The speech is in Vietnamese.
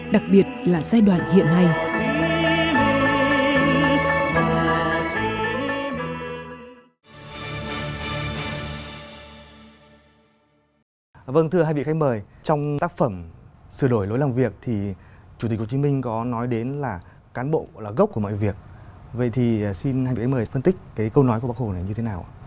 đặc biệt là giai đoạn hiện nay